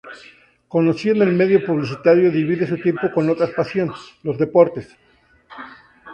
Conocido el medio publicitario, divide su tiempo con otra pasión: los deportes.